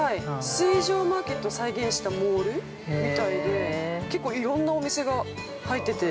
水上マーケットを再現したモールみたいで結構いろんなお店が入ってて。